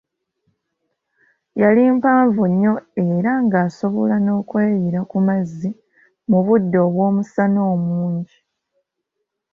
Yali mpanvu nnyo era nga asobola n'okweyiira ku mazzi mu budde obw'omusana omungi.